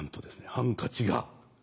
ハンカチが。